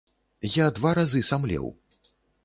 Я два разы самлеў.